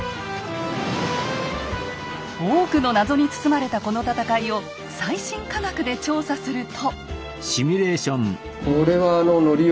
多くの謎に包まれたこの戦いを最新科学で調査すると。